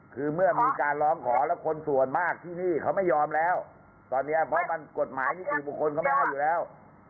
คือเมื่อมีการร้องขอแล้วคนส่วนมากที่นี่เขาไม่ยอมแล้วตอนนี้เพราะมันกฎหมายนิติบุคคลเขาไม่เอาอยู่แล้ว